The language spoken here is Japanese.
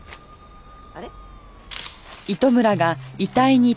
あれ？